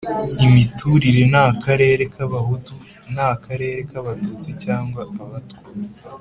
Imiturire Nta karere k'Abahutu, nta karere k'Abatutsi cyangwa Abatwa.